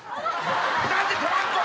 何でトランクを。